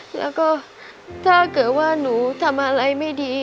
แล้วก็ถ้าเกิดว่าหนูทำอะไรไม่ดี